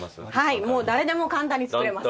はいもう誰でも簡単に作れます。